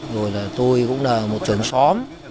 rồi là tôi cũng là một trưởng xóm